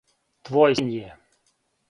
Твој син је.